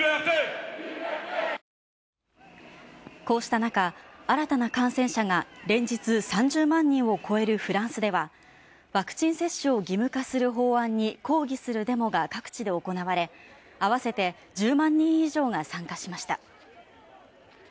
こうした中、新たな感染者が連日３０万人を超えるフランスではワクチン接種を義務化する法案に抗議するデモが各地で行われ、合わせて１０万人以上が参加しました。